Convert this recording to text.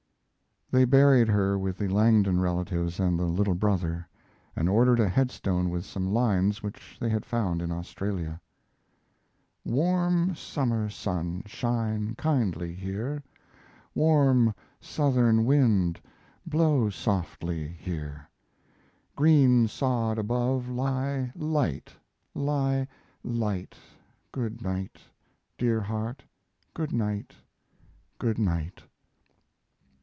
They buried her with the Langdon relatives and the little brother, and ordered a headstone with some lines which they had found in Australia: Warm summer sun shine kindly here; Warm southern wind blow softly here; Green sod above lie light, lie light Good night, dear heart, good night, good night.